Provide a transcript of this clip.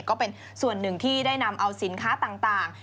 ก็เป็นส่วนหนึ่งที่ได้นำเอาสินค้าต่าง